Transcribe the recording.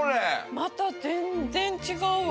また全然違うわ。